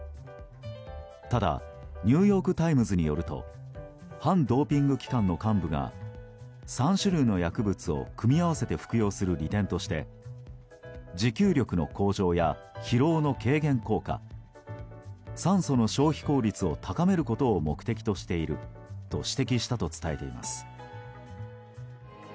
ただ、ニューヨーク・タイムズによると反ドーピング機関の幹部が３種類の薬物を組み合わせて服用する利点として持久力の向上や疲労の軽減効果酸素の消費効率を高めることを目的としていると指摘したと伝えています。